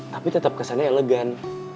tapi tetep kesannya elegan